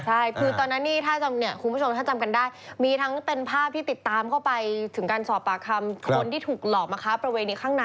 ใช่คือตอนนั้นนี่ถ้าจำเนี่ยคุณผู้ชมถ้าจำกันได้